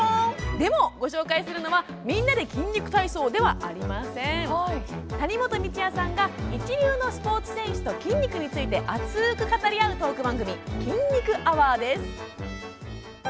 でも、ご紹介するのは「みんなの筋肉体操」ではありません。谷本道哉さんが一流のスポーツ選手と筋肉について熱く語り合うトーク番組「筋肉アワー」です。